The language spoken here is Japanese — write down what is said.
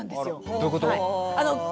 どういうこと？